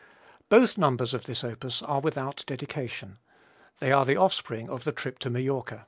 Both numbers of this opus are without dedication. They are the offspring of the trip to Majorca.